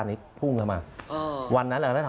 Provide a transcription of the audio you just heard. วันนั้นแหละทำให้รู้ว่าโอ้โฮเพลงเราดังมาก